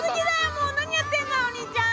もう何やってんだよお兄ちゃん！